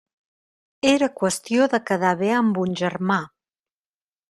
Era qüestió de quedar bé amb un germà.